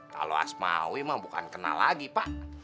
kalau asmawi mah bukan kenal lagi pak